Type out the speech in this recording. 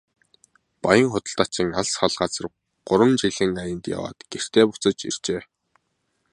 Баян худалдаачин алс хол газар гурван жилийн аянд яваад гэртээ буцаж иржээ.